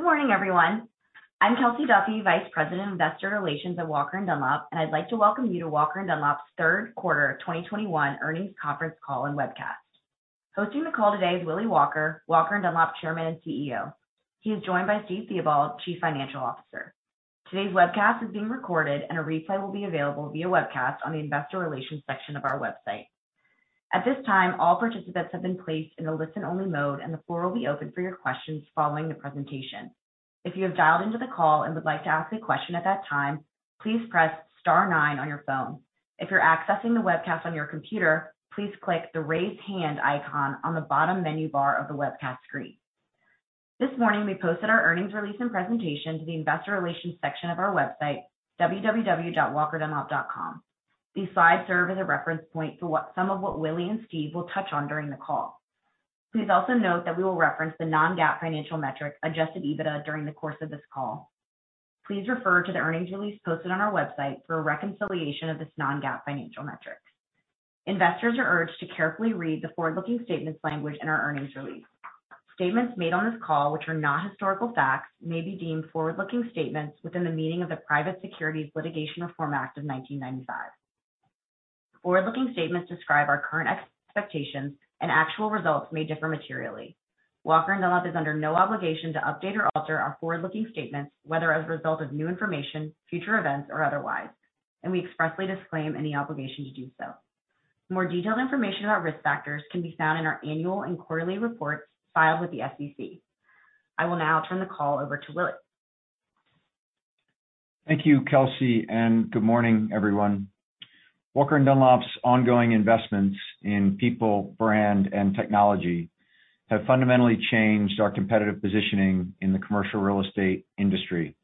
Good morning, everyone. I'm Kelsey Duffey, Vice President of Investor Relations at Walker & Dunlop, and I'd like to welcome you to Walker & Dunlop's third quarter of 2021 earnings conference call and webcast. Hosting the call today is Willy Walker, Walker & Dunlop Chairman and CEO. He is joined by Steve Theobald, Chief Financial Officer. Today's webcast is being recorded, and a replay will be available via webcast on the Investor Relations section of our website. At this time, all participants have been placed in a listen-only mode, and the floor will be open for your questions following the presentation. If you have dialed into the call and would like to ask a question at that time, please press star nine on your phone. If you're accessing the webcast on your computer, please click the Raise Hand icon on the bottom menu bar of the webcast screen. This morning, we posted our earnings release and presentation to the Investor Relations section of our website, www.walkerdunlop.com. These slides serve as a reference point for some of what Willy and Steve will touch on during the call. Please also note that we will reference the non-GAAP financial metric, adjusted EBITDA, during the course of this call. Please refer to the earnings release posted on our website for a reconciliation of this non-GAAP financial metric. Investors are urged to carefully read the forward-looking statements language in our earnings release. Statements made on this call which are not historical facts may be deemed forward-looking statements within the meaning of the Private Securities Litigation Reform Act of 1995. Forward-looking statements describe our current expectations, and actual results may differ materially. Walker & Dunlop is under no obligation to update or alter our forward-looking statements, whether as a result of new information, future events, or otherwise. We expressly disclaim any obligation to do so. More detailed information about risk factors can be found in our annual and quarterly reports filed with the SEC. I will now turn the call over to Willy. Thank you, Kelsey, and good morning, everyone. Walker & Dunlop's ongoing investments in people, brand, and technology have fundamentally changed our competitive positioning in the commercial real estate industry.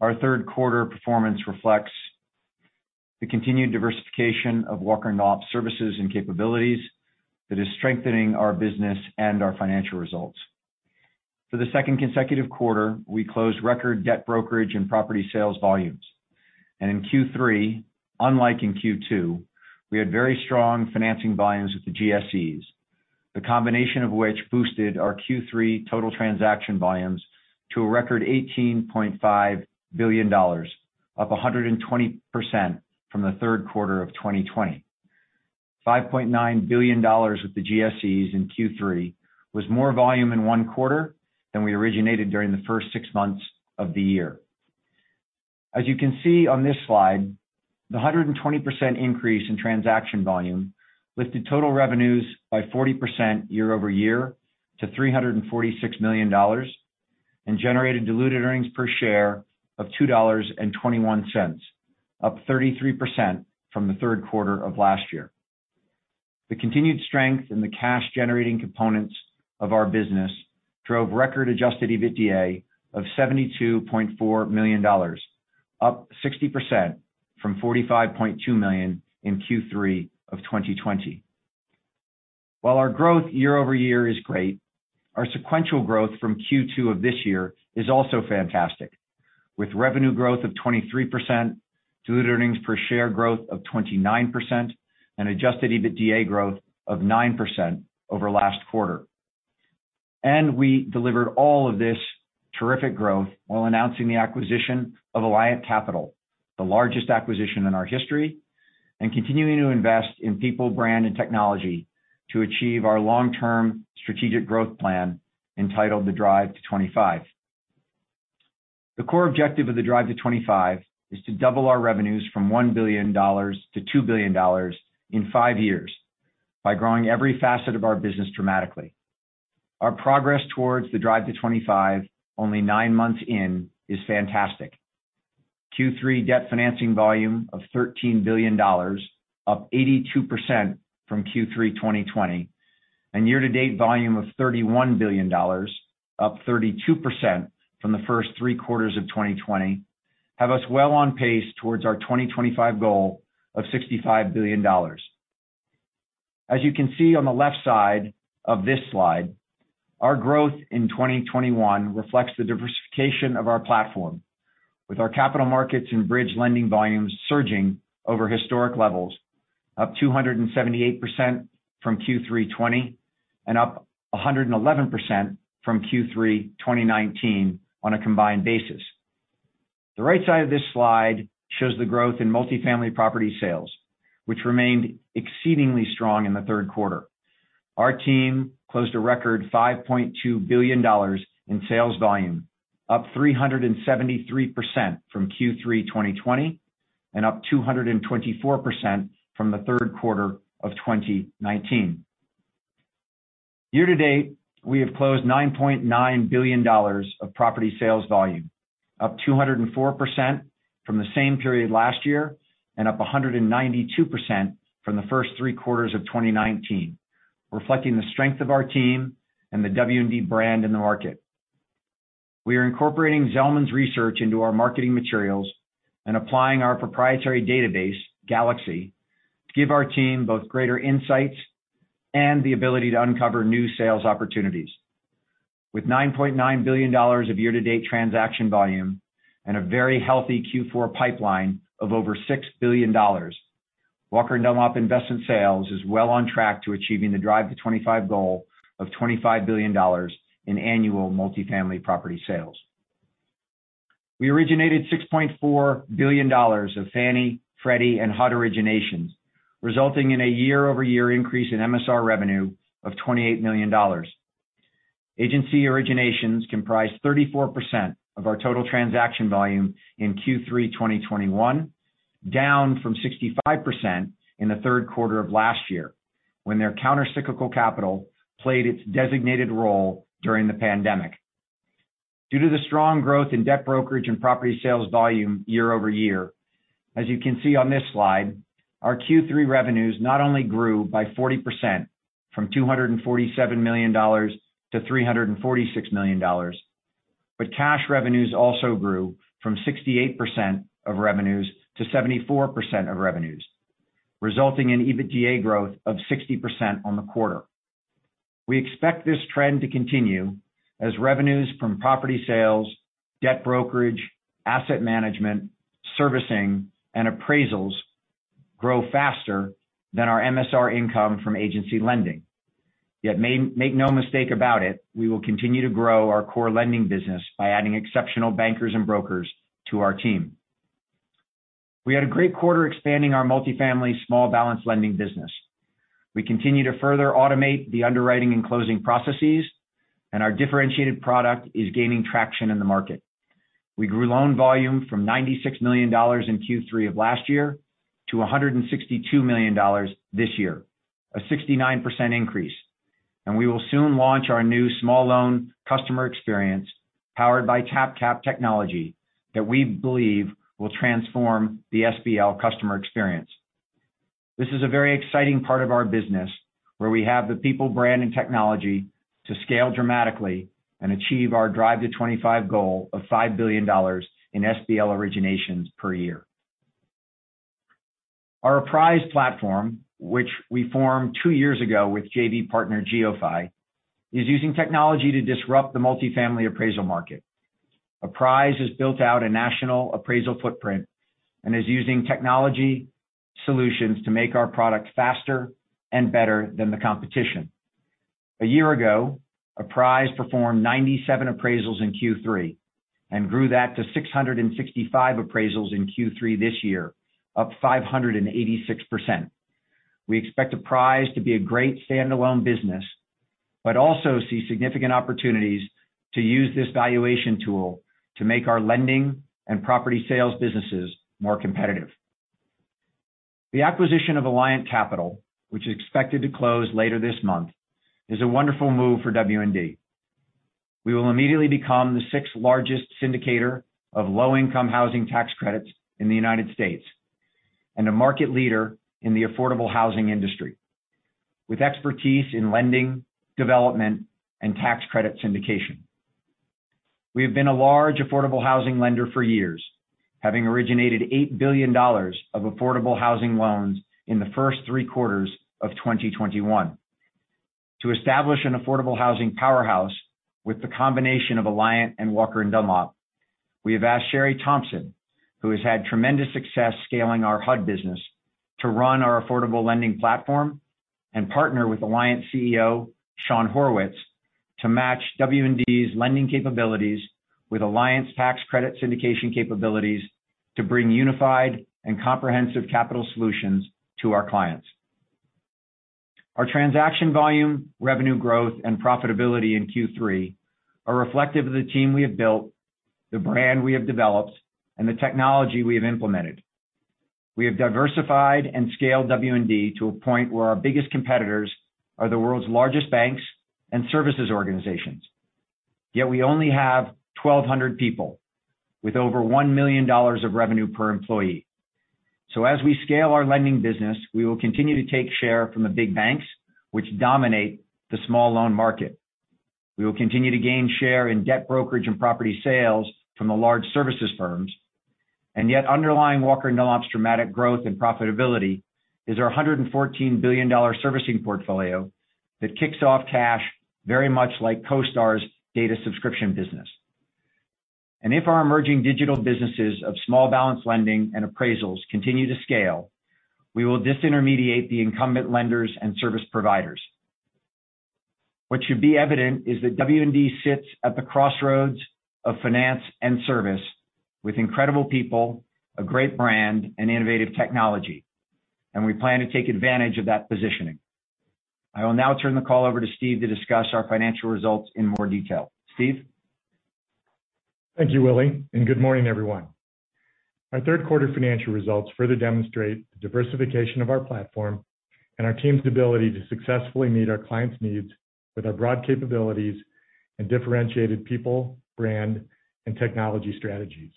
Our third quarter performance reflects the continued diversification of Walker & Dunlop services and capabilities that is strengthening our business and our financial results. For the second consecutive quarter, we closed record debt brokerage and property sales volumes. In Q3, unlike in Q2, we had very strong financing volumes with the GSEs. The combination of which boosted our Q3 total transaction volumes to a record $18.5 billion, up 120% from the third quarter of 2020. $5.9 billion with the GSEs in Q3 was more volume in one quarter than we originated during the first six months of the year. As you can see on this slide, the 120% increase in transaction volume lifted total revenues by 40% year-over-year to $346 million, and generated diluted earnings per share of $2.21, up 33% from the third quarter of last year. The continued strength in the cash-generating components of our business drove record-adjusted EBITDA of $72.4 million, up 60% from $45.2 million in Q3 of 2020. While our growth year-over-year is great, our sequential growth from Q2 of this year is also fantastic. With revenue growth of 23%, diluted earnings per share growth of 29%, and adjusted EBITDA growth of 9% over last quarter. We delivered all of this terrific growth while announcing the acquisition of Alliant Capital, the largest acquisition in our history, and continuing to invest in people, brand, and technology to achieve our long-term strategic growth plan entitled the Drive to '25. The core objective of the Drive to '25 is to double our revenues from $1 billion to $2 billion in five years by growing every facet of our business dramatically. Our progress towards the Drive to '25, only nine months in, is fantastic. Q3 debt financing volume of $13 billion, up 82% from Q3 2020, and year-to-date volume of $31 billion, up 32% from the first three quarters of 2020, have us well on pace towards our 2025 goal of $65 billion. As you can see on the left side of this slide, our growth in 2021 reflects the diversification of our platform with our capital markets and bridge lending volumes surging over historic levels, up 278% from Q3 2020, and up 111% from Q3 2019 on a combined basis. The right side of this slide shows the growth in multifamily property sales, which remained exceedingly strong in the third quarter. Our team closed a record $5.2 billion in sales volume, up 373% from Q3 2020, and up 224% from the third quarter of 2019. Year-to-date, we have closed $9.9 billion of property sales volume, up 204% from the same period last year, and up 192% from the first three quarters of 2019, reflecting the strength of our team and the W&D brand in the market. We are incorporating Zelman's research into our marketing materials and applying our proprietary database, Galaxy, to give our team both greater insights and the ability to uncover new sales opportunities. With $9.9 billion of year-to-date transaction volume and a very healthy Q4 pipeline of over $6 billion, Walker & Dunlop Investment Sales is well on track to achieving the Drive to '25 goal of $25 billion in annual multifamily property sales. We originated $6.4 billion of Fannie, Freddie, and HUD originations, resulting in a year-over-year increase in MSR revenue of $28 million. Agency originations comprised 34% of our total transaction volume in Q3 2021, down from 65% in the third quarter of last year when their counter-cyclical capital played its designated role during the pandemic. Due to the strong growth in debt brokerage and property sales volume year over year, as you can see on this slide, our Q3 revenues not only grew by 40% from $247 million to $346 million, but cash revenues also grew from 68% of revenues to 74% of revenues, resulting in EBITDA growth of 60% on the quarter. We expect this trend to continue as revenues from property sales, debt brokerage, asset management, servicing, and appraisals grow faster than our MSR income from agency lending. Yet make no mistake about it, we will continue to grow our core lending business by adding exceptional bankers and brokers to our team. We had a great quarter expanding our multifamily small balance lending business. We continue to further automate the underwriting and closing processes, and our differentiated product is gaining traction in the market. We grew loan volume from $96 million in Q3 of last year to $162 million this year, a 69% increase. We will soon launch our new small loan customer experience powered by TapCap technology that we believe will transform the SBL customer experience. This is a very exciting part of our business where we have the people, brand, and technology to scale dramatically and achieve our Drive to '25 goal of $5 billion in SBL originations per year. Our Apprise platform, which we formed two years ago with JV partner GeoPhy, is using technology to disrupt the multifamily appraisal market. Apprise has built out a national appraisal footprint and is using technology solutions to make our product faster and better than the competition. A year ago, Apprise performed 97 appraisals in Q3 and grew that to 665 appraisals in Q3 this year, up 586%. We expect Apprise to be a great standalone business but also see significant opportunities to use this valuation tool to make our lending and property sales businesses more competitive. The acquisition of Alliant Capital, which is expected to close later this month, is a wonderful move for W&D. We will immediately become the sixth-largest syndicator of low-income housing tax credits in the United States, and a market leader in the affordable housing industry with expertise in lending, development, and tax credit syndication. We have been a large affordable housing lender for years, having originated $8 billion of affordable housing loans in the first three quarters of 2021. To establish an affordable housing powerhouse with the combination of Alliant and Walker & Dunlop, we have asked Sheri Thompson, who has had tremendous success scaling our HUD business, to run our affordable lending platform and partner with Alliant CEO Shawn Horwitz to match W&D's lending capabilities with Alliant's tax credit syndication capabilities to bring unified and comprehensive capital solutions to our clients. Our transaction volume, revenue growth, and profitability in Q3 are reflective of the team we have built, the brand we have developed, and the technology we have implemented. We have diversified and scaled W&D to a point where our biggest competitors are the world's largest banks and services organizations, yet we only have 1,200 people with over $1 million of revenue per employee. As we scale our lending business, we will continue to take share from the big banks which dominate the small loan market. We will continue to gain share in debt brokerage and property sales from the large services firms, and yet underlying Walker & Dunlop's dramatic growth and profitability is our $114 billion servicing portfolio that kicks off cash very much like CoStar's data subscription business. If our emerging digital businesses of small balance lending and appraisals continue to scale, we will disintermediate the incumbent lenders and service providers. What should be evident is that W&D sits at the crossroads of finance and service with incredible people, a great brand, and innovative technology, and we plan to take advantage of that positioning. I will now turn the call over to Steve to discuss our financial results in more detail. Steve? Thank you, Willy, and good morning, everyone. Our third quarter financial results further demonstrate the diversification of our platform and our team's ability to successfully meet our clients' needs with our broad capabilities and differentiated people, brand, and technology strategies.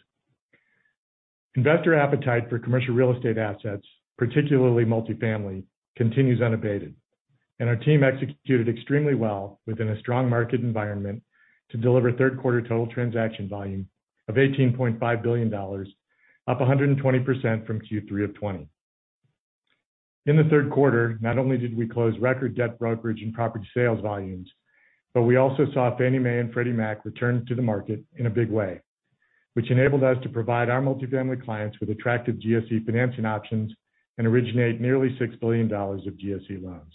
Investor appetite for commercial real estate assets, particularly multifamily, continues unabated, and our team executed extremely well within a strong market environment to deliver third quarter total transaction volume of $18.5 billion, up 120% from Q3 of 2020. In the third quarter, not only did we close record debt brokerage and property sales volumes, but we also saw Fannie Mae and Freddie Mac return to the market in a big way, which enabled us to provide our multifamily clients with attractive GSE financing options and originate nearly $6 billion of GSE loans.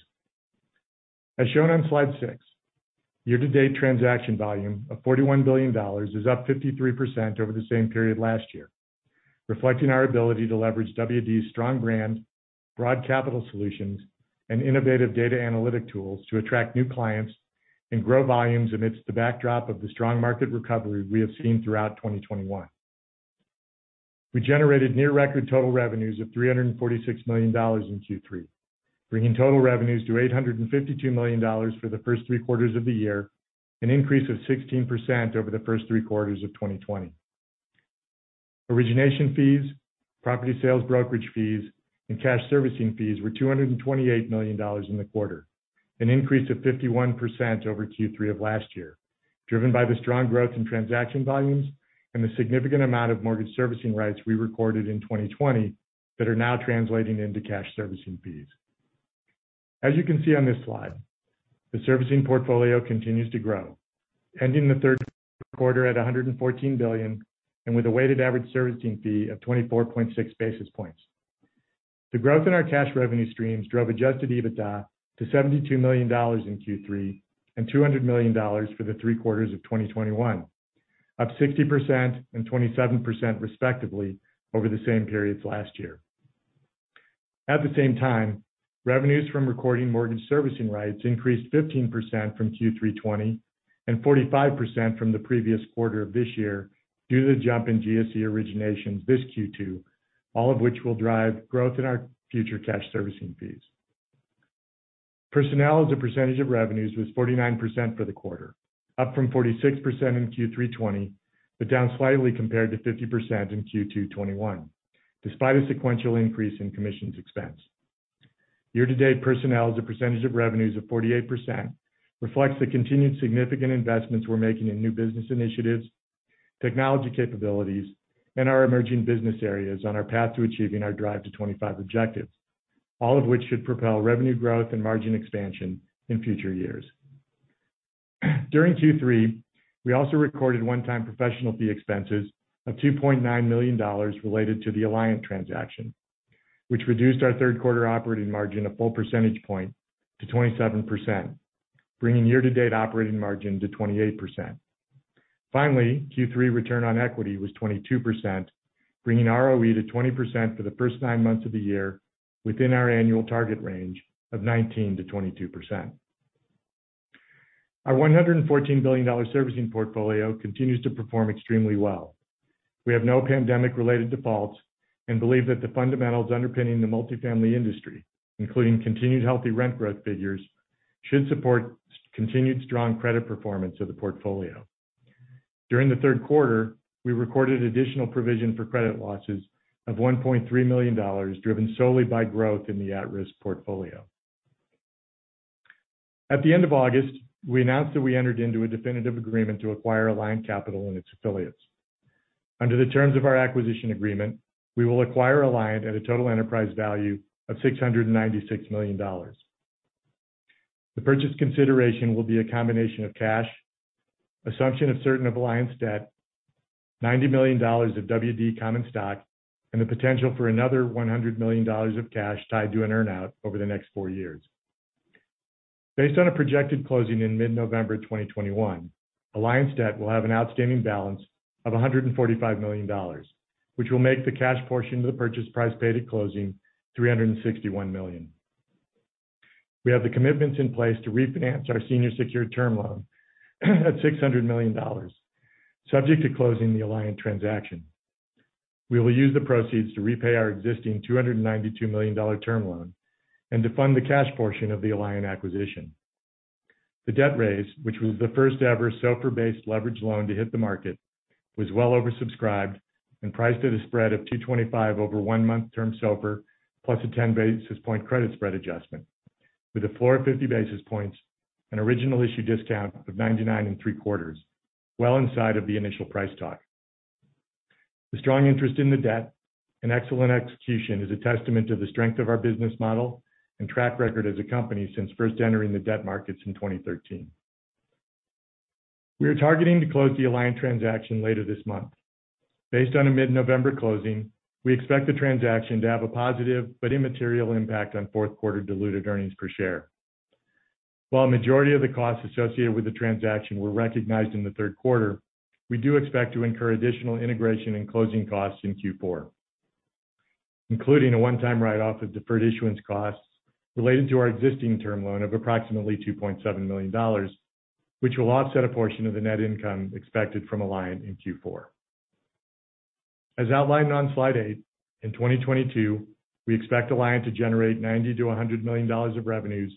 As shown on slide six, year-to-date transaction volume of $41 billion is up 53% over the same period last year, reflecting our ability to leverage W&D's strong brand, broad capital solutions, and innovative data analytic tools to attract new clients and grow volumes amidst the backdrop of the strong market recovery we have seen throughout 2021. We generated near record total revenues of $346 million in Q3, bringing total revenues to $852 million for the first three quarters of the year, an increase of 16% over the first three quarters of 2020. Origination fees, property sales brokerage fees, and cash servicing fees were $228 million in the quarter, an increase of 51% over Q3 of last year, driven by the strong growth in transaction volumes and the significant amount of mortgage servicing rights we recorded in 2020 that are now translating into cash servicing fees. As you can see on this slide, the servicing portfolio continues to grow, ending the third quarter at $114 billion and with a weighted average servicing fee of 24.6 basis points. The growth in our cash revenue streams drove adjusted EBITDA to $72 million in Q3 and $200 million for the three quarters of 2021, up 60% and 27% respectively over the same periods last year. At the same time, revenues from recording mortgage servicing rights increased 15% from Q3 2020 and 45% from the previous quarter of this year due to the jump in GSE originations this Q2, all of which will drive growth in our future cash servicing fees. Personnel as a percentage of revenues was 49% for the quarter, up from 46% in Q3 2020, but down slightly compared to 50% in Q2 2021, despite a sequential increase in commissions expense. Year-to-date personnel as a percentage of revenues of 48% reflects the continued significant investments we're making in new business initiatives, technology capabilities, and our emerging business areas on our path to achieving our Drive to '25 objectives, all of which should propel revenue growth and margin expansion in future years. During Q3, we also recorded one-time professional fee expenses of $2.9 million related to the Alliant transaction, which reduced our third quarter operating margin a full percentage point to 27%, bringing year-to-date operating margin to 28%. Finally, Q3 return on equity was 22%, bringing ROE to 20% for the first nine months of the year within our annual target range of 19%-22%. Our $114 billion servicing portfolio continues to perform extremely well. We have no pandemic-related defaults and believe that the fundamentals underpinning the multifamily industry, including continued healthy rent growth figures, should support continued strong credit performance of the portfolio. During the third quarter, we recorded additional provision for credit losses of $1.3 million, driven solely by growth in the at-risk portfolio. At the end of August, we announced that we entered into a definitive agreement to acquire Alliant Capital and its affiliates. Under the terms of our acquisition agreement, we will acquire Alliant at a total enterprise value of $696 million. The purchase consideration will be a combination of cash, assumption of certain of Alliant's debt, $90 million of W&D common stock, and the potential for another $100 million of cash tied to an earn-out over the next four years. Based on a projected closing in mid-November 2021, Alliant's debt will have an outstanding balance of $145 million, which will make the cash portion of the purchase price paid at closing $361 million. We have the commitments in place to refinance our senior secured term loan at $600 million, subject to closing the Alliant transaction. We will use the proceeds to repay our existing $292 million term loan and to fund the cash portion of the Alliant acquisition. The debt raise, which was the first ever SOFR-based leverage loan to hit the market, was well oversubscribed and priced at a spread of 225 over one-month term SOFR plus a 10 basis point credit spread adjustment with a 450 basis points, an original issue discount of 99.75, well inside of the initial price talk. The strong interest in the debt and excellent execution is a testament to the strength of our business model and track record as a company since first entering the debt markets in 2013. We are targeting to close the Alliant transaction later this month. Based on a mid-November closing, we expect the transaction to have a positive, but immaterial impact on fourth quarter diluted earnings per share. While majority of the costs associated with the transaction were recognized in the third quarter, we do expect to incur additional integration and closing costs in Q4, including a one-time write-off of deferred issuance costs related to our existing term loan of approximately $2.7 million, which will offset a portion of the net income expected from Alliant in Q4. As outlined on slide eight, in 2022, we expect Alliant to generate $90 million-$100 million of revenues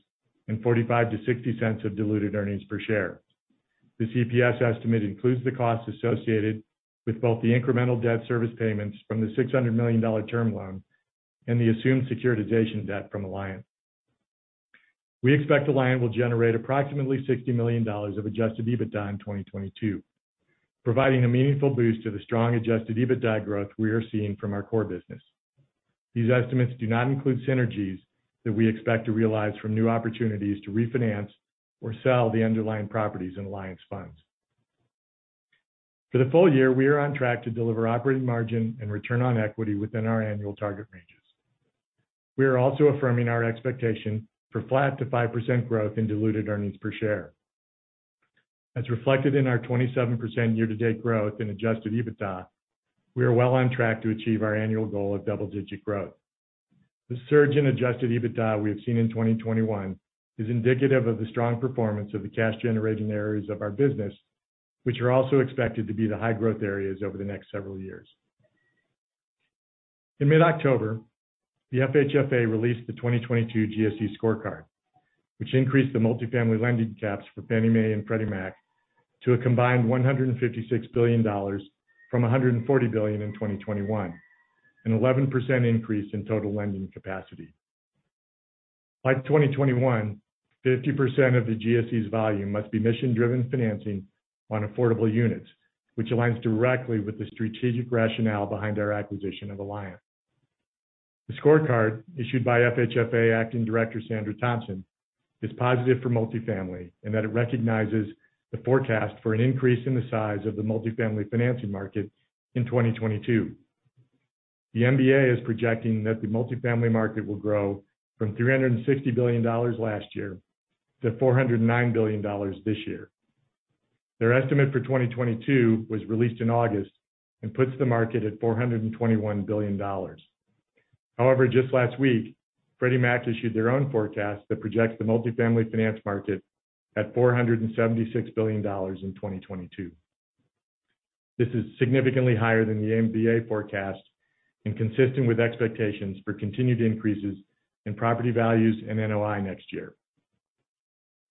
and $0.45-$0.60 of diluted earnings per share. The EPS estimate includes the costs associated with both the incremental debt service payments from the $600 million term loan and the assumed securitization debt from Alliant. We expect Alliant will generate approximately $60 million of adjusted EBITDA in 2022, providing a meaningful boost to the strong adjusted EBITDA growth we are seeing from our core business. These estimates do not include synergies that we expect to realize from new opportunities to refinance or sell the underlying properties in Alliant funds. For the full-year, we are on track to deliver operating margin and return on equity within our annual target ranges. We are also affirming our expectation for flat to 5% growth in diluted earnings per share. As reflected in our 27% year-to-date growth in adjusted EBITDA, we are well on track to achieve our annual goal of double-digit growth. The surge in adjusted EBITDA we have seen in 2021 is indicative of the strong performance of the cash generating areas of our business, which are also expected to be the high growth areas over the next several years. In mid-October, the FHFA released the 2022 GSE scorecard, which increased the multifamily lending caps for Fannie Mae and Freddie Mac to a combined $156 billion from $140 billion in 2021, an 11% increase in total lending capacity. By 2022, 50% of the GSE's volume must be mission-driven financing on affordable units, which aligns directly with the strategic rationale behind our acquisition of Alliant. The scorecard issued by FHFA Acting Director Sandra Thompson is positive for multifamily in that it recognizes the forecast for an increase in the size of the multifamily financing market in 2022. The MBA is projecting that the multifamily market will grow from $360 billion last year to $409 billion this year. Their estimate for 2022 was released in August and puts the market at $421 billion. However, just last week, Freddie Mac issued their own forecast that projects the multifamily finance market at $476 billion in 2022. This is significantly higher than the MBA forecast and consistent with expectations for continued increases in property values and NOI next year.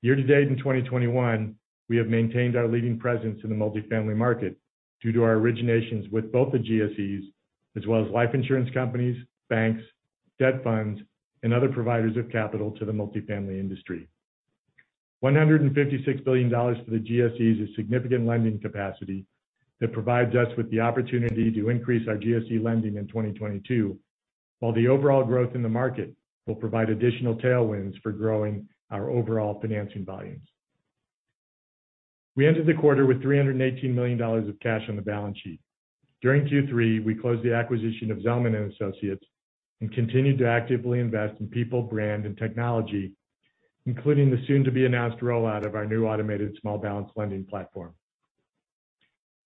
Year to date in 2021, we have maintained our leading presence in the multifamily market due to our originations with both the GSEs as well as life insurance companies, banks, debt funds, and other providers of capital to the multifamily industry. $156 billion to the GSE is a significant lending capacity that provides us with the opportunity to increase our GSE lending in 2022, while the overall growth in the market will provide additional tailwinds for growing our overall financing volumes. We ended the quarter with $318 million of cash on the balance sheet. During Q3, we closed the acquisition of Zelman & Associates and continued to actively invest in people, brand, and technology, including the soon-to-be-announced rollout of our new automated small balance lending platform.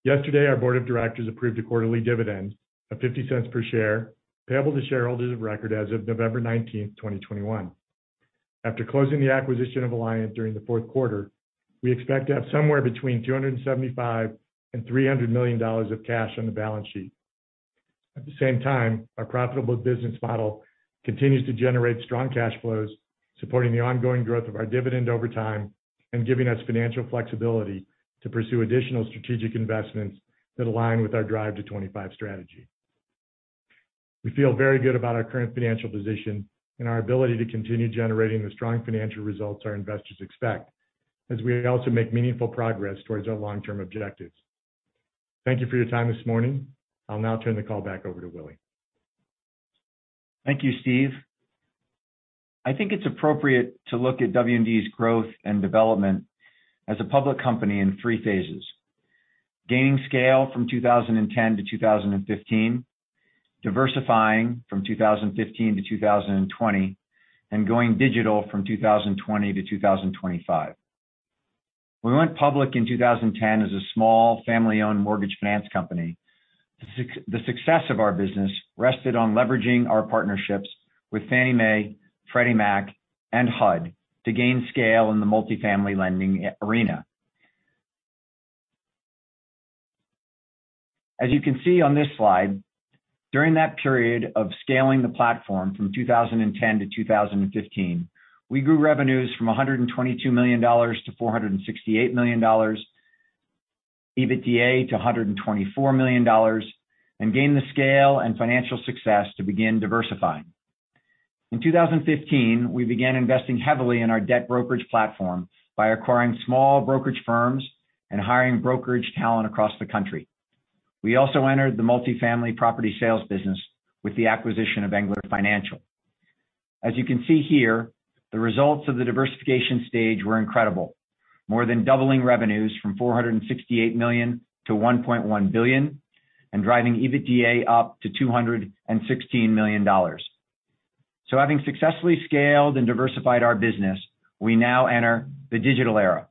Yesterday, our Board of Directors approved a quarterly dividend of $0.50 per share, payable to shareholders of record as of November 19, 2021. After closing the acquisition of Alliant during the fourth quarter, we expect to have somewhere between $275 million and $300 million of cash on the balance sheet. At the same time, our profitable business model continues to generate strong cash flows, supporting the ongoing growth of our dividend over time and giving us financial flexibility to pursue additional strategic investments that align with our Drive to '25 strategy. We feel very good about our current financial position and our ability to continue generating the strong financial results our investors expect as we also make meaningful progress towards our long-term objectives. Thank you for your time this morning. I'll now turn the call back over to Willy. Thank you, Steve. I think it's appropriate to look at W&D's growth and development as a public company in three phases. Gaining scale from 2010 to 2015, diversifying from 2015 to 2020, and going digital from 2020 to 2025. We went public in 2010 as a small family-owned mortgage finance company. The success of our business rested on leveraging our partnerships with Fannie Mae, Freddie Mac, and HUD to gain scale in the multifamily lending arena. As you can see on this slide, during that period of scaling the platform from 2010 to 2015, we grew revenues from $122 million to $468 million, EBITDA to $124 million, and gained the scale and financial success to begin diversifying. In 2015, we began investing heavily in our debt brokerage platform by acquiring small brokerage firms and hiring brokerage talent across the country. We also entered the multifamily property sales business with the acquisition of Engler Financial Group. As you can see here, the results of the diversification stage were incredible, more than doubling revenues from $468 million to $1.1 billion and driving EBITDA up to $216 million. Having successfully scaled and diversified our business, we now enter the digital era.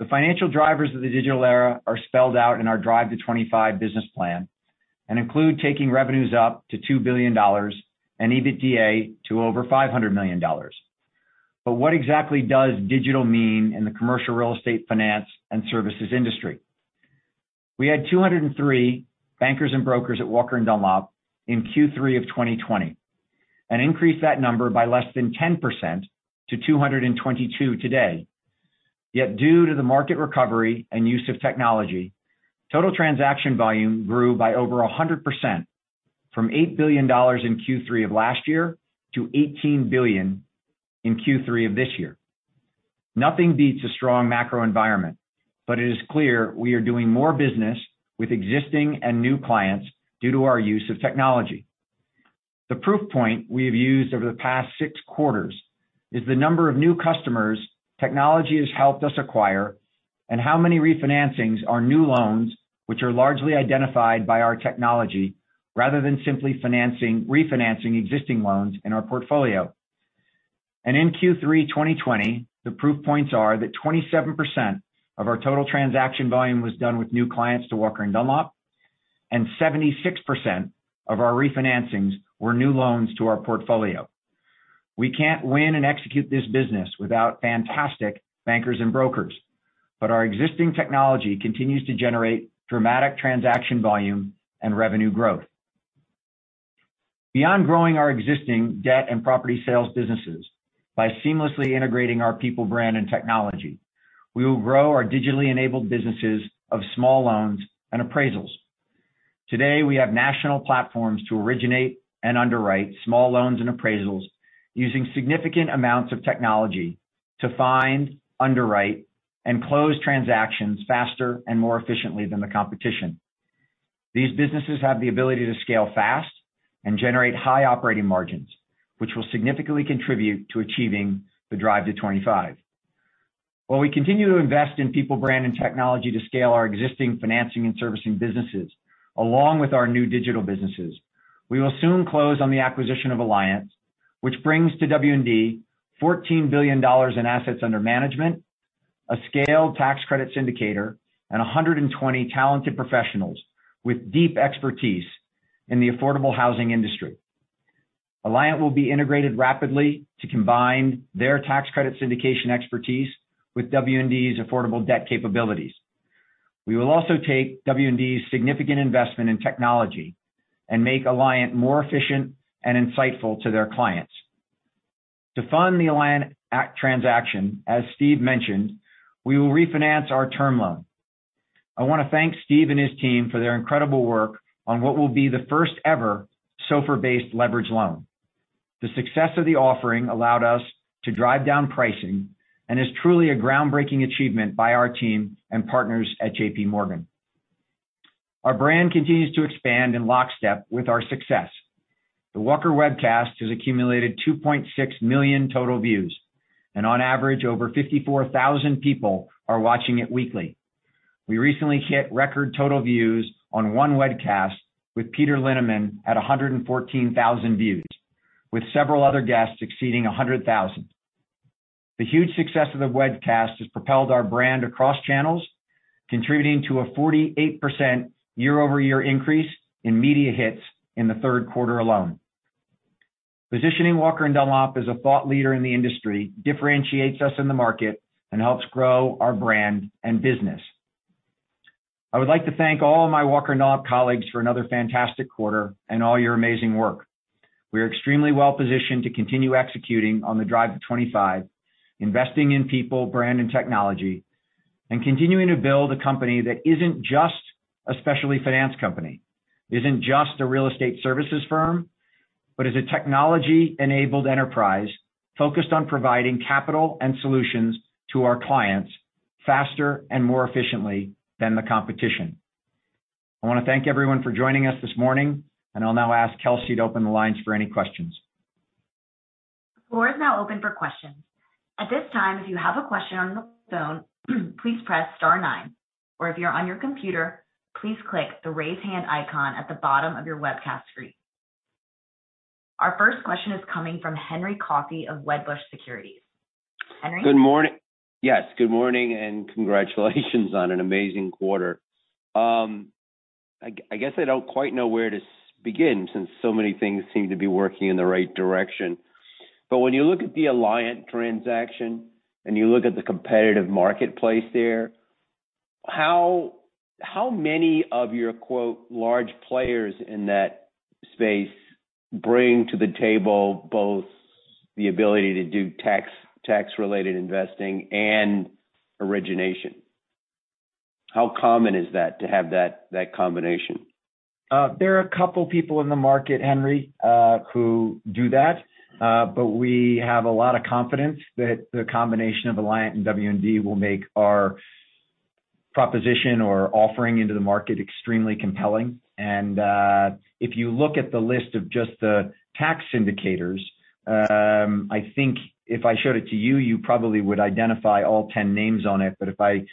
The financial drivers of the digital era are spelled out in our Drive to '25 business plan and include taking revenues up to $2 billion and EBITDA to over $500 million. What exactly does digital mean in the commercial real estate finance and services industry? We had 203 bankers and brokers at Walker & Dunlop in Q3 of 2020 and increased that number by less than 10% to 222 today. Yet due to the market recovery and use of technology, total transaction volume grew by over 100% from $8 billion in Q3 of last year to $18 billion in Q3 of this year. Nothing beats a strong macro environment, but it is clear we are doing more business with existing and new clients due to our use of technology. The proof point we have used over the past six quarters is the number of new customers technology has helped us acquire and how many refinancings are new loans which are largely identified by our technology rather than simply refinancing existing loans in our portfolio. In Q3 2020, the proof points are that 27% of our total transaction volume was done with new clients to Walker & Dunlop, and 76% of our refinancings were new loans to our portfolio. We can't win and execute this business without fantastic bankers and brokers, but our existing technology continues to generate dramatic transaction volume and revenue growth. Beyond growing our existing debt and property sales businesses by seamlessly integrating our people brand and technology, we will grow our digitally enabled businesses of small loans and appraisals. Today, we have national platforms to originate and underwrite small loans and appraisals using significant amounts of technology to find, underwrite, and close transactions faster and more efficiently than the competition. These businesses have the ability to scale fast and generate high operating margins, which will significantly contribute to achieving the Drive to '25. While we continue to invest in people brand and technology to scale our existing financing and servicing businesses along with our new digital businesses, we will soon close on the acquisition of Alliant, which brings to W&D $14 billion in assets under management, a scaled tax credit syndicator, and 120 talented professionals with deep expertise in the affordable housing industry. Alliant will be integrated rapidly to combine their tax credit syndication expertise with W&D's affordable debt capabilities. We will also take W&D's significant investment in technology and make Alliant more efficient and insightful to their clients. To fund the Alliant acquisition transaction, as Steve mentioned, we will refinance our term loan. I wanna thank Steve and his team for their incredible work on what will be the first ever SOFR-based leveraged loan. The success of the offering allowed us to drive down pricing and is truly a groundbreaking achievement by our team and partners at JPMorgan. Our brand continues to expand in lockstep with our success. The Walker Webcast has accumulated 2.6 million total views, and on average, over 54,000 people are watching it weekly. We recently hit record total views on one webcast with Peter Linneman at 114,000 views, with several other guests exceeding 100,000. The huge success of the webcast has propelled our brand across channels, contributing to a 48% year-over-year increase in media hits in the third quarter alone. Positioning Walker & Dunlop as a thought leader in the industry differentiates us in the market and helps grow our brand and business. I would like to thank all of my Walker & Dunlop colleagues for another fantastic quarter and all your amazing work. We are extremely well-positioned to continue executing on the Drive to '25, investing in people, brand, and technology, and continuing to build a company that isn't just a specialty finance company, isn't just a real estate services firm, but is a technology-enabled enterprise focused on providing capital and solutions to our clients faster and more efficiently than the competition. I wanna thank everyone for joining us this morning, and I'll now ask Kelsey to open the lines for any questions. Floor is now open for questions. At this time, if you have a question on the phone, please press star nine. Or if you're on your computer, please click the Raise Hand icon at the bottom of your webcast screen. Our first question is coming from Henry Coffey of Wedbush Securities. Henry? Good morning. Yes, good morning and congratulations on an amazing quarter. I guess I don't quite know where to begin since so many things seem to be working in the right direction. When you look at the Alliant transaction and you look at the competitive marketplace there, how many of your quote large players in that space bring to the table both the ability to do tax-related investing and origination? How common is that to have that combination? There are a couple people in the market, Henry, who do that, but we have a lot of confidence that the combination of Alliant and W&D will make our proposition or offering into the market extremely compelling. If you look at the list of just the tax syndicators, I think if I showed it to you probably would identify all ten names on it. But if I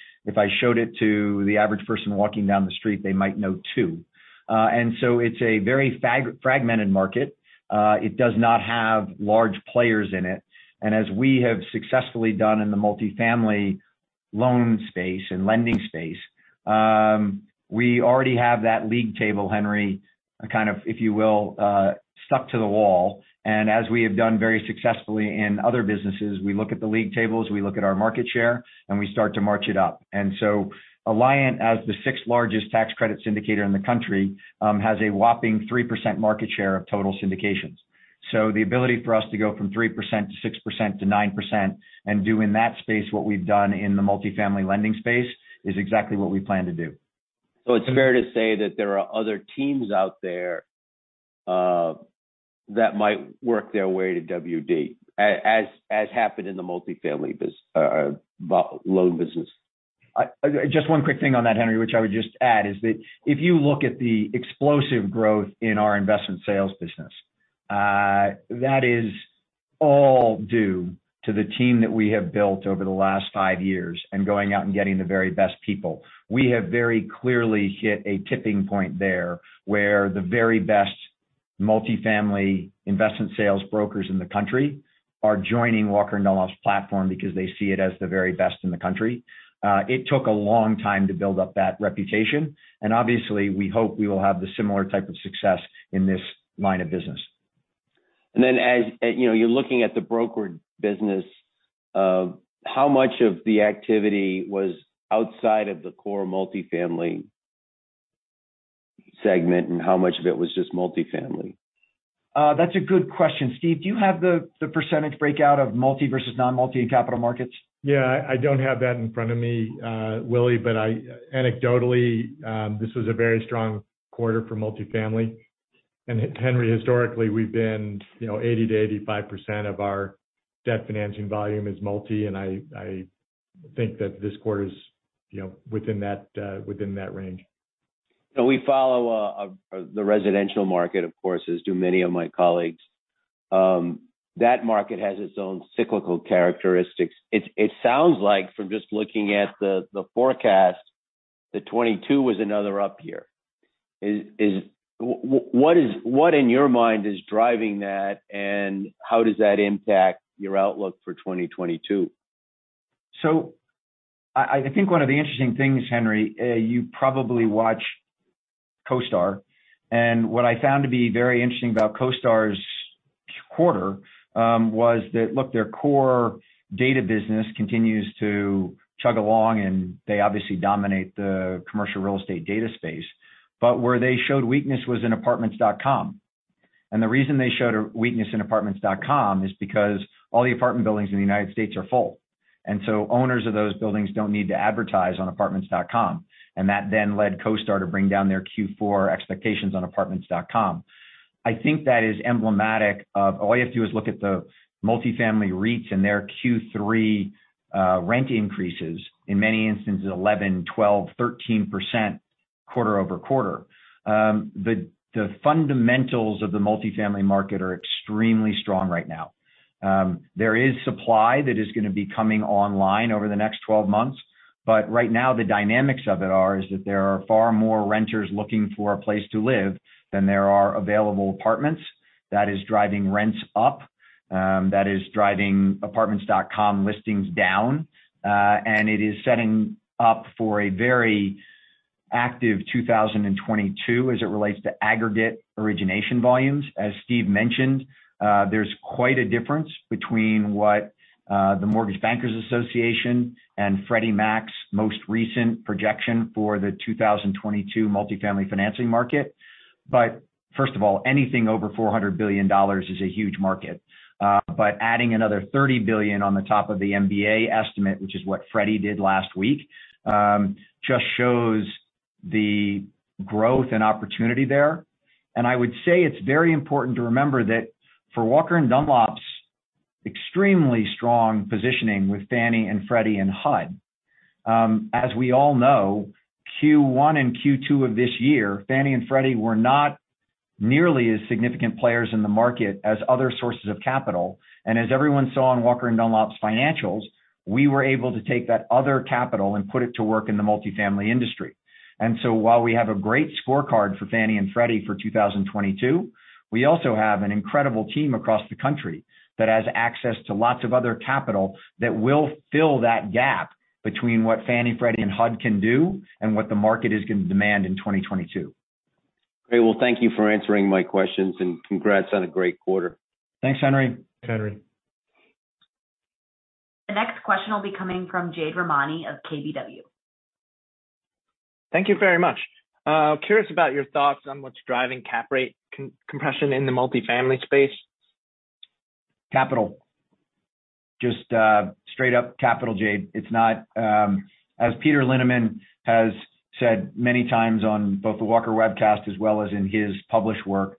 showed it to the average person walking down the street, they might know two. It's a very fragmented market. It does not have large players in it. As we have successfully done in the multifamily loan space and lending space, we already have that league table, Henry, kind of, if you will, stuck to the wall. As we have done very successfully in other businesses, we look at the league tables, we look at our market share, and we start to march it up. Alliant, as the sixth-largest tax credit syndicator in the country, has a whopping 3% market share of total syndications. The ability for us to go from 3% to 6% to 9% and do in that space what we've done in the multifamily lending space is exactly what we plan to do. It's fair to say that there are other teams out there that might work their way to W&D, as happened in the multifamily loan business. Just one quick thing on that, Henry, which I would just add is that if you look at the explosive growth in our investment sales business, that is all due to the team that we have built over the last five years and going out and getting the very best people. We have very clearly hit a tipping point there, where the very best multifamily investment sales brokers in the country are joining Walker & Dunlop's platform because they see it as the very best in the country. It took a long time to build up that reputation. Obviously, we hope we will have the similar type of success in this line of business. As you know, you're looking at the broker business, how much of the activity was outside of the core multifamily segment and how much of it was just multifamily? That's a good question. Steve, do you have the percentage breakout of multi versus non-multi in capital markets? Yeah. I don't have that in front of me, Willy, but anecdotally, this was a very strong quarter for multifamily. Henry, historically, we've been, you know, 80%-85% of our debt financing volume is multi, and I think that this quarter is, you know, within that, within that range. We follow the residential market, of course, as do many of my colleagues. That market has its own cyclical characteristics. It sounds like from just looking at the forecast that 2022 was another up year. What in your mind is driving that, and how does that impact your outlook for 2022? I think one of the interesting things, Henry, you probably watch CoStar. What I found to be very interesting about CoStar's quarter was that, look, their core data business continues to chug along, and they obviously dominate the commercial real estate data space. Where they showed weakness was in apartments.com. The reason they showed a weakness in apartments.com is because all the apartment buildings in the United States are full. Owners of those buildings don't need to advertise on apartments.com, and that then led CoStar to bring down their Q4 expectations on apartments.com. I think that is emblematic of all you have to do is look at the multifamily REITs and their Q3 rent increases, in many instances 11%, 12%, 13% quarter-over-quarter. The fundamentals of the multifamily market are extremely strong right now. There is supply that is gonna be coming online over the next 12 months. Right now, the dynamics of it is that there are far more renters looking for a place to live than there are available apartments. That is driving rents up. That is driving apartments.com listings down. It is setting up for a very active 2022 as it relates to aggregate origination volumes. As Steve mentioned, there's quite a difference between what the Mortgage Bankers Association and Freddie Mac's most recent projection for the 2022 multifamily financing market. First of all, anything over $400 billion is a huge market. Adding another $30 billion on top of the MBA estimate, which is what Freddie did last week, just shows the growth and opportunity there. I would say it's very important to remember that for Walker & Dunlop's extremely strong positioning with Fannie and Freddie and HUD, as we all know, Q1 and Q2 of this year, Fannie and Freddie were not nearly as significant players in the market as other sources of capital. As everyone saw in Walker & Dunlop's financials, we were able to take that other capital and put it to work in the multifamily industry. While we have a great scorecard for Fannie and Freddie for 2022, we also have an incredible team across the country that has access to lots of other capital that will fill that gap between what Fannie, Freddie, and HUD can do and what the market is gonna demand in 2022. Great. Well, thank you for answering my questions, and congrats on a great quarter. Thanks, Henry. Thanks, Henry. The next question will be coming from Jade Rahmani of KBW. Thank you very much. Curious about your thoughts on what's driving cap rate compression in the multifamily space? Capital. Just straight up capital, Jade. It's not. As Peter Linneman has said many times on both the Walker Webcast as well as in his published work,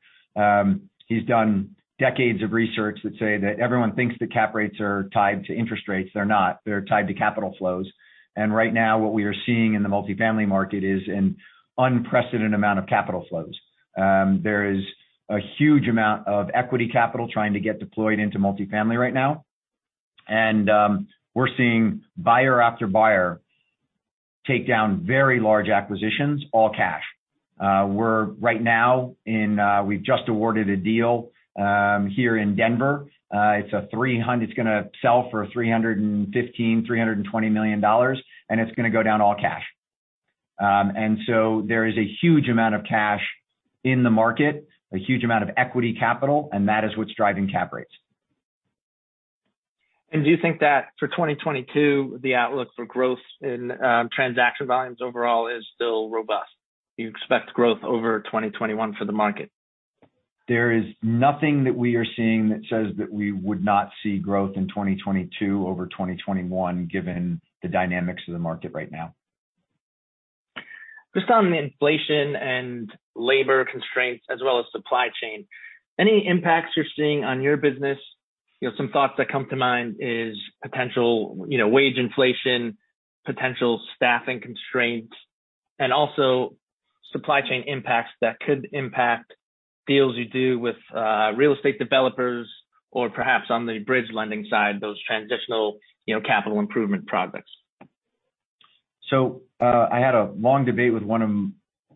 he's done decades of research that say that everyone thinks the cap rates are tied to interest rates. They're not. They're tied to capital flows. Right now what we are seeing in the multifamily market is an unprecedented amount of capital flows. There is a huge amount of equity capital trying to get deployed into multifamily right now. We're seeing buyer after buyer take down very large acquisitions, all cash. We've just awarded a deal here in Denver. It's gonna sell for $315 million-$320 million, and it's gonna go down all cash. There is a huge amount of cash in the market, a huge amount of equity capital, and that is what's driving cap rates. Do you think that for 2022, the outlook for growth in transaction volumes overall is still robust? Do you expect growth over 2021 for the market? There is nothing that we are seeing that says that we would not see growth in 2022 over 2021, given the dynamics of the market right now. Just on the inflation and labor constraints as well as supply chain, any impacts you're seeing on your business? You know, some thoughts that come to mind is potential, you know, wage inflation, potential staffing constraints, and also supply chain impacts that could impact deals you do with real estate developers or perhaps on the bridge lending side, those transitional, you know, capital improvement projects. I had a long debate with one of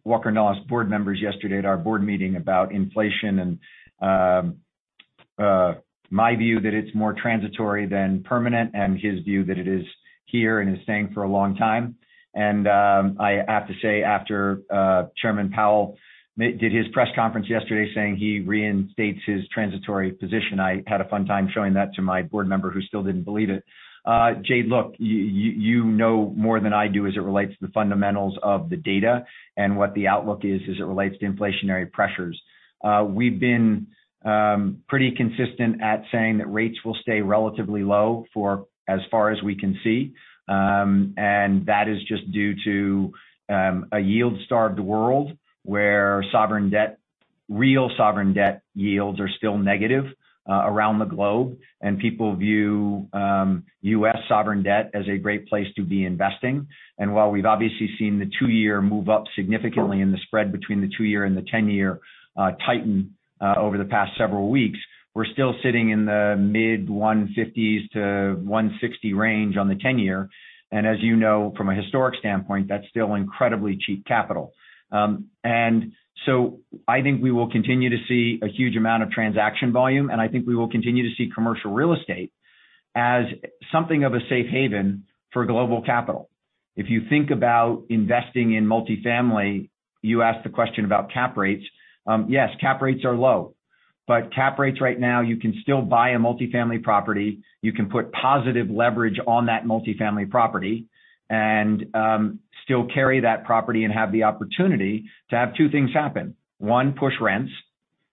Walker & Dunlop's board members yesterday at our board meeting about inflation and my view that it's more transitory than permanent, and his view that it is here and is staying for a long time. I have to say after Chairman Powell made his press conference yesterday saying he reinstates his transitory position, I had a fun time showing that to my board member who still didn't believe it. Jade, look, you know more than I do as it relates to the fundamentals of the data and what the outlook is as it relates to inflationary pressures. We've been pretty consistent at saying that rates will stay relatively low for as far as we can see. That is just due to a yield-starved world where sovereign debt, real sovereign debt yields are still negative around the globe. People view U.S. sovereign debt as a great place to be investing. While we've obviously seen the two-year move up significantly and the spread between the two-year and the 10-year tighten over the past several weeks, we're still sitting in the mid-150s-160 range on the 10-year. As you know, from a historic standpoint, that's still incredibly cheap capital. I think we will continue to see a huge amount of transaction volume, and I think we will continue to see commercial real estate as something of a safe haven for global capital. If you think about investing in multifamily, you asked the question about cap rates. Yes, cap rates are low, but cap rates right now, you can still buy a multifamily property. You can put positive leverage on that multifamily property and still carry that property and have the opportunity to have two things happen. One, push rents,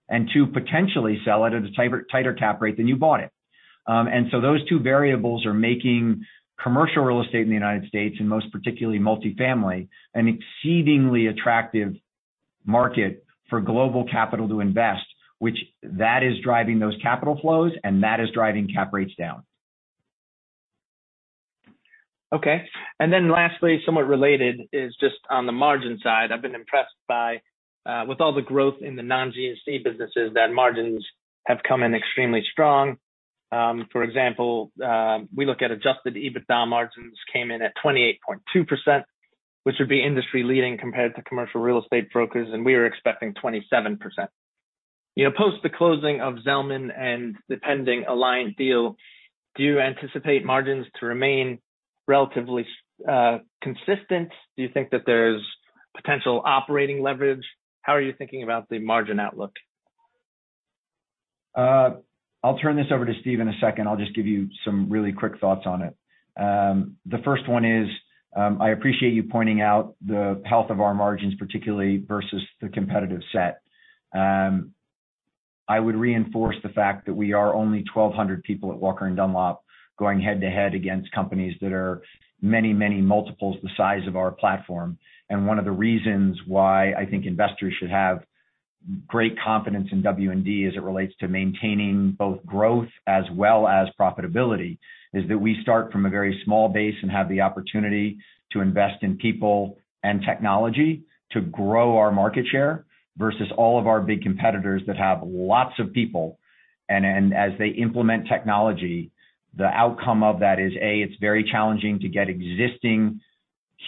and two, potentially sell it at a tighter cap rate than you bought it. Those two variables are making commercial real estate in the United States, and most particularly multifamily, an exceedingly attractive market for global capital to invest, which is driving those capital flows, and that is driving cap rates down. Okay. Lastly, somewhat related is just on the margin side. I've been impressed with all the growth in the non-GSE businesses, that margins have come in extremely strong. For example, we look at adjusted EBITDA margins came in at 28.2%, which would be industry-leading compared to commercial real estate brokers, and we were expecting 27%. You know, post the closing of Zelman and the pending Alliant deal, do you anticipate margins to remain relatively consistent? Do you think that there's potential operating leverage? How are you thinking about the margin outlook? I'll turn this over to Steve in a second. I'll just give you some really quick thoughts on it. The first one is, I appreciate you pointing out the health of our margins, particularly versus the competitive set. I would reinforce the fact that we are only 1,200 people at Walker & Dunlop going head-to-head against companies that are many, many multiples the size of our platform. One of the reasons why I think investors should have great confidence in W&D as it relates to maintaining both growth as well as profitability is that we start from a very small base and have the opportunity to invest in people and technology to grow our market share versus all of our big competitors that have lots of people. As they implement technology, the outcome of that is A, it's very challenging to get existing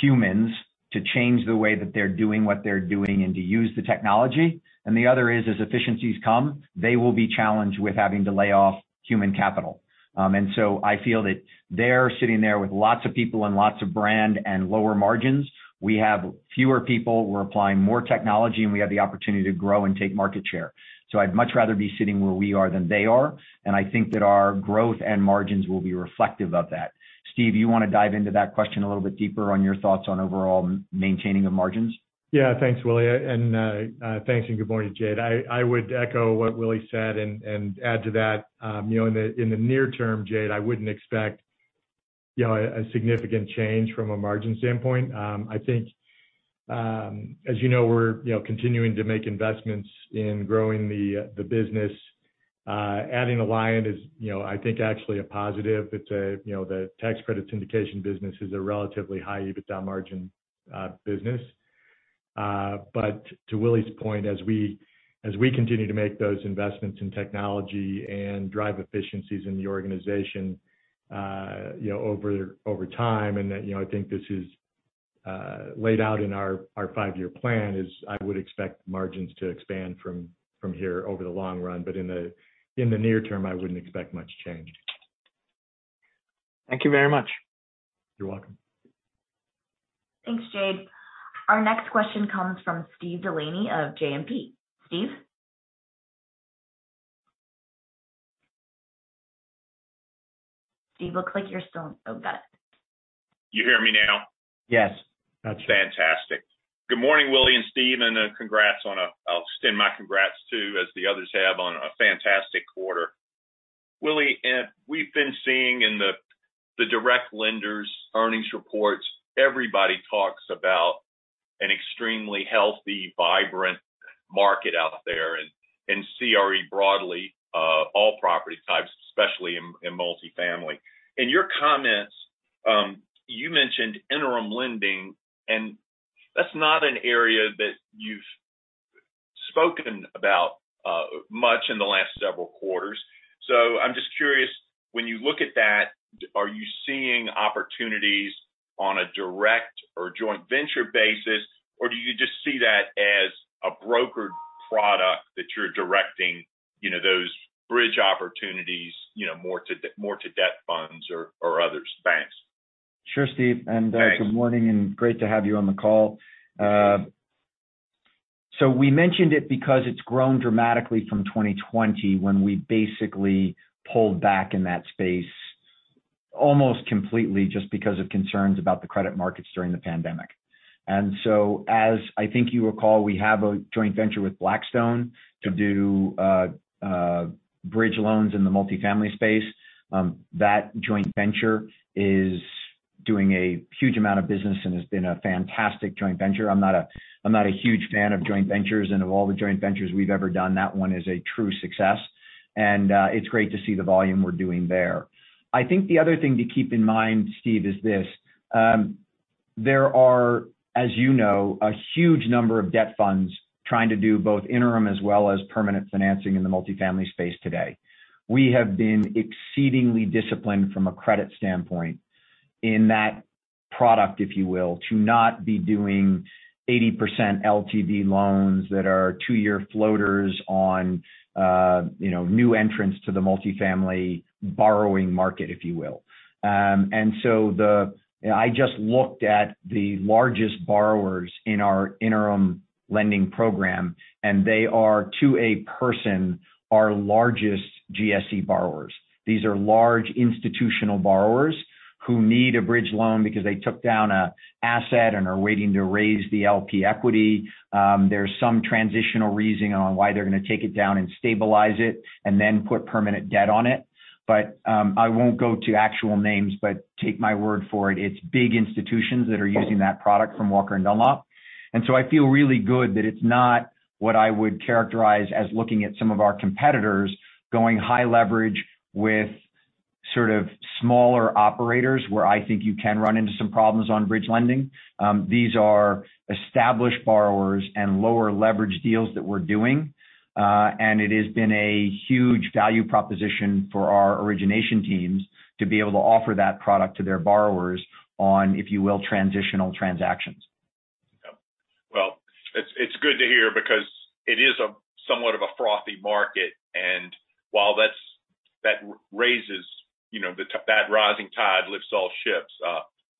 humans to change the way that they're doing what they're doing and to use the technology. The other is, as efficiencies come, they will be challenged with having to lay off human capital. I feel that they're sitting there with lots of people and lots of brand and lower margins. We have fewer people. We're applying more technology, and we have the opportunity to grow and take market share. I'd much rather be sitting where we are than they are, and I think that our growth and margins will be reflective of that. Steve, you wanna dive into that question a little bit deeper on your thoughts on overall maintaining of margins? Yeah. Thanks, Willy. Thanks, and good morning, Jade. I would echo what Willy said and add to that. You know, in the near term, Jade, I wouldn't expect, you know, a significant change from a margin standpoint. I think, as you know, we're, you know, continuing to make investments in growing the business. Adding Alliant is, you know, I think actually a positive. It's, you know, the tax credit syndication business is a relatively high EBITDA margin business. To Willy's point, as we continue to make those investments in technology and drive efficiencies in the organization, you know, over time, you know, I think this is laid out in our five-year plan. I would expect margins to expand from here over the long run. In the near term, I wouldn't expect much change. Thank you very much. You're welcome. Thanks, Jade. Our next question comes from Steve DeLaney of JMP. Steve? Steve, looks like you're still. Oh, got it. You hear me now? Yes. That's better. Fantastic. Good morning, Willy and Steve, and congrats on a fantastic quarter. I'll extend my congrats too, as the others have, on a fantastic quarter. Willy, we've been seeing in the direct lenders' earnings reports, everybody talks about an extremely healthy, vibrant market out there and CRE broadly, all property types, especially in multifamily. In your comments, you mentioned interim lending, and that's not an area that you've spoken about much in the last several quarters. I'm just curious, when you look at that, are you seeing opportunities on a direct or joint venture basis, or do you just see that as a brokered product that you're directing, you know, those bridge opportunities, you know, more to debt funds or other banks? Sure, Steve. Thanks. Good morning and great to have you on the call. We mentioned it because it's grown dramatically from 2020 when we basically pulled back in that space almost completely just because of concerns about the credit markets during the pandemic. As I think you recall, we have a joint venture with Blackstone to do bridge loans in the multifamily space. That joint venture is doing a huge amount of business and has been a fantastic joint venture. I'm not a huge fan of joint ventures, and of all the joint ventures we've ever done, that one is a true success. It's great to see the volume we're doing there. I think the other thing to keep in mind, Steve, is this: there are, as you know, a huge number of debt funds trying to do both interim as well as permanent financing in the multifamily space today. We have been exceedingly disciplined from a credit standpoint in that product, if you will, to not be doing 80% LTV loans that are two-year floaters on, you know, new entrants to the multifamily borrowing market, if you will. I just looked at the largest borrowers in our interim lending program, and they are, to a person, our largest GSE borrowers. These are large institutional borrowers who need a bridge loan because they took down an asset and are waiting to raise the LP equity. There's some transitional reasoning on why they're going to take it down and stabilize it and then put permanent debt on it. I won't go to actual names, but take my word for it. It's big institutions that are using that product from Walker & Dunlop. I feel really good that it's not what I would characterize as looking at some of our competitors going high leverage with sort of smaller operators where I think you can run into some problems on bridge lending. These are established borrowers and lower leverage deals that we're doing. It has been a huge value proposition for our origination teams to be able to offer that product to their borrowers on, if you will, transitional transactions. Well, it's good to hear because it is a somewhat of a frothy market, and while that's, you know, that rising tide lifts all ships,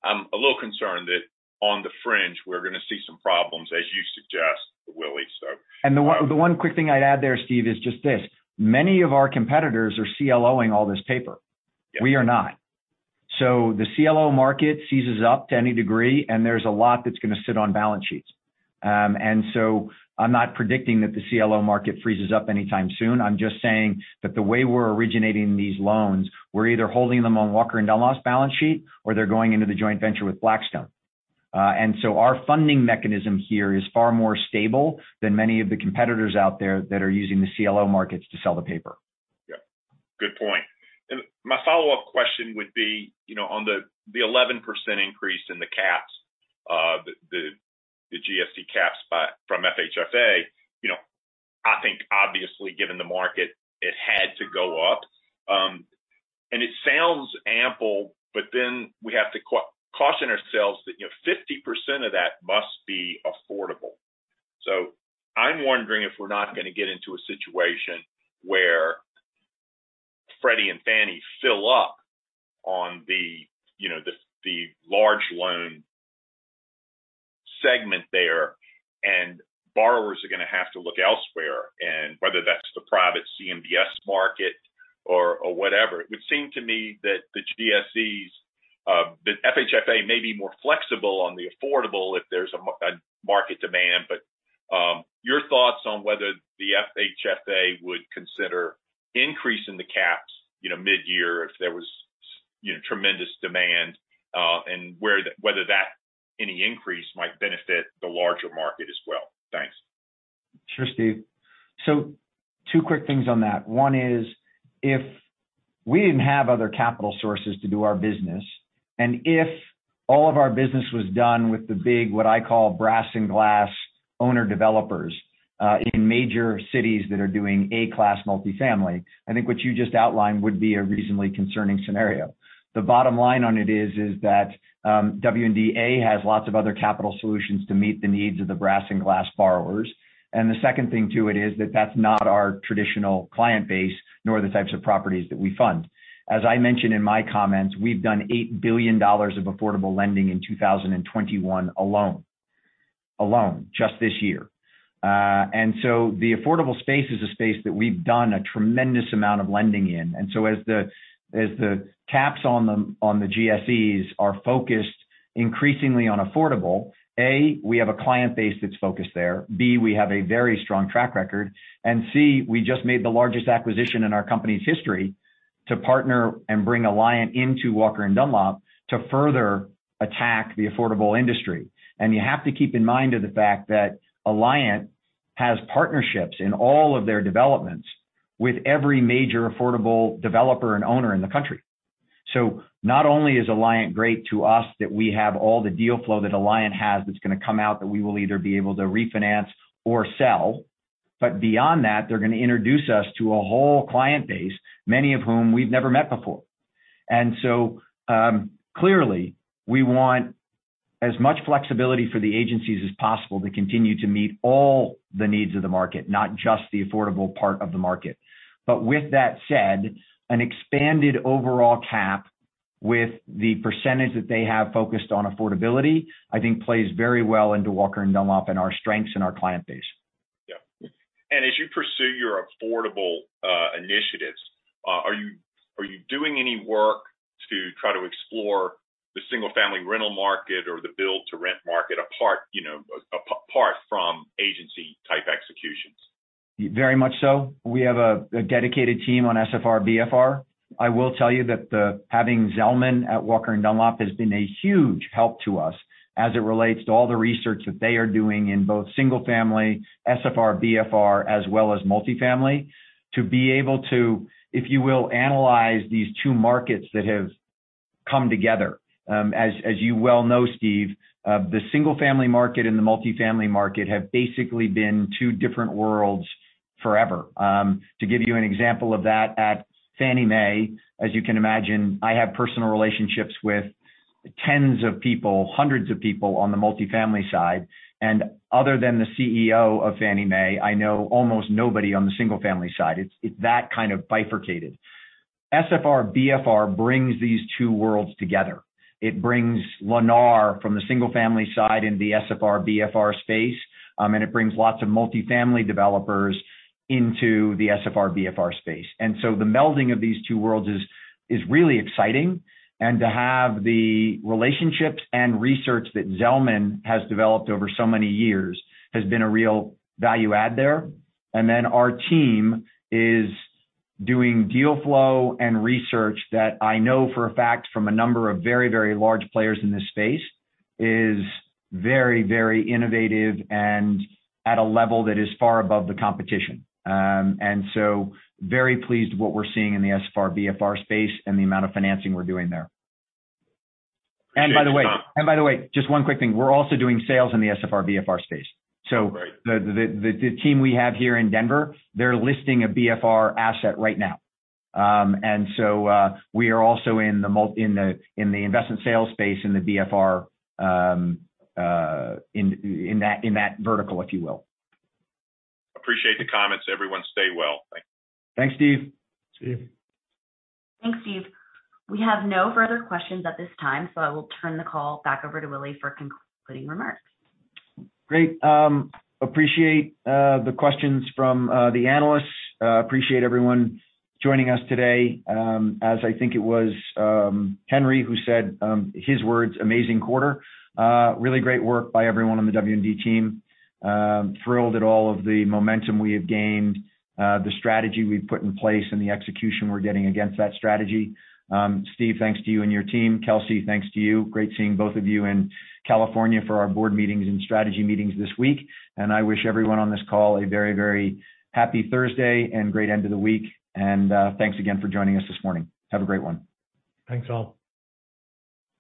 I'm a little concerned that on the fringe, we're gonna see some problems, as you suggest, Willy. The one quick thing I'd add there, Steve, is just this: many of our competitors are CLOing all this paper. Yeah. We are not. The CLO market seizes up to any degree, and there's a lot that's gonna sit on balance sheets. I'm not predicting that the CLO market freezes up anytime soon. I'm just saying that the way we're originating these loans, we're either holding them on Walker & Dunlop's balance sheet or they're going into the joint venture with Blackstone. Our funding mechanism here is far more stable than many of the competitors out there that are using the CLO markets to sell the paper. Yeah. Good point. My follow-up question would be, you know, on the 11% increase in the caps, the GSE caps from FHFA, you know, I think obviously given the market, it had to go up. It sounds ample, but then we have to caution ourselves that, you know, 50% of that must be affordable. I'm wondering if we're not gonna get into a situation where Freddie and Fannie fill up on the, you know, the large loan segment there, and borrowers are gonna have to look elsewhere. Whether that's the private CMBS market or whatever, it would seem to me that the GSEs, the FHFA may be more flexible on the affordable if there's a market demand. Your thoughts on whether the FHFA would consider increasing the caps, you know, midyear if there was, you know, tremendous demand, and whether that any increase might benefit the larger market as well. Thanks. Sure, Steve. Two quick things on that. One is if we didn't have other capital sources to do our business, and if all of our business was done with the big, what I call brass and glass owner-developers, in major cities that are doing A-class multifamily, I think what you just outlined would be a reasonably concerning scenario. The bottom line on it is that W&D has lots of other capital solutions to meet the needs of the brass and glass borrowers. The second thing to it is that that's not our traditional client base, nor the types of properties that we fund. As I mentioned in my comments, we've done $8 billion of affordable lending in 2021 alone, just this year. The affordable space is a space that we've done a tremendous amount of lending in. As the caps on the GSEs are focused increasingly on affordable, A, we have a client base that's focused there. B, we have a very strong track record. C, we just made the largest acquisition in our company's history to partner and bring Alliant into Walker & Dunlop to further attack the affordable industry. You have to keep in mind of the fact that Alliant has partnerships in all of their developments with every major affordable developer and owner in the country. Not only is Alliant great to us that we have all the deal flow that Alliant has that's gonna come out, that we will either be able to refinance or sell. Beyond that, they're gonna introduce us to a whole client base, many of whom we've never met before. Clearly, we want as much flexibility for the agencies as possible to continue to meet all the needs of the market, not just the affordable part of the market. With that said, an expanded overall cap with the percentage that they have focused on affordability, I think plays very well into Walker & Dunlop and our strengths and our client base. Yeah. As you pursue your affordable initiatives, are you doing any work to try to explore the single-family rental market or the build-to-rent market, you know, apart from agency-type executions? Very much so. We have a dedicated team on SFR-BFR. I will tell you that having Zelman at Walker & Dunlop has been a huge help to us as it relates to all the research that they are doing in both single family, SFR, BFR, as well as multifamily, to be able to, if you will, analyze these two markets that have come together. As you well know, Steve, the single family market and the multifamily market have basically been two different worlds forever. To give you an example of that, at Fannie Mae, as you can imagine, I have personal relationships with tens of people, hundreds of people on the multifamily side. Other than the CEO of Fannie Mae, I know almost nobody on the single family side. It's that kind of bifurcated. SFR-BFR brings these two worlds together. It brings Lennar from the single family side into the SFR-BFR space, and it brings lots of multifamily developers into the SFR-BFR space. The melding of these two worlds is really exciting. To have the relationships and research that Zelman has developed over so many years has been a real value add there. Our team is doing deal flow and research that I know for a fact from a number of very, very large players in this space is very, very innovative and at a level that is far above the competition. Very pleased with what we're seeing in the SFR-BFR space and the amount of financing we're doing there. Appreciate the comments. By the way, just one quick thing. We're also doing sales in the SFR-BFR space. Right. The team we have here in Denver, they're listing a BFR asset right now. We are also in the investment sales space in the BFR, in that vertical, if you will. Appreciate the comments, everyone. Stay well. Thank you. Thanks, Steve. Thanks, Steve. We have no further questions at this time, so I will turn the call back over to Willy for concluding remarks. Great. Appreciate the questions from the analysts. Appreciate everyone joining us today. As I think it was Henry who said, his words, amazing quarter. Really great work by everyone on the W&D team. Thrilled at all of the momentum we have gained, the strategy we've put in place and the execution we're getting against that strategy. Steve, thanks to you and your team. Kelsey, thanks to you. Great seeing both of you in California for our board meetings and strategy meetings this week. I wish everyone on this call a very, very happy Thursday and great end of the week. Thanks again for joining us this morning. Have a great one. Thanks all.